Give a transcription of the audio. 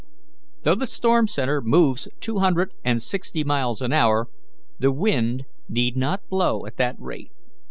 Though the storm centre moves two hundred and sixty miles an hour, the wind need not blow at that rate."